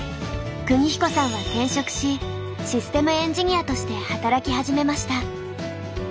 邦彦さんは転職しシステムエンジニアとして働き始めました。